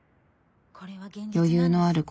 余裕のある声。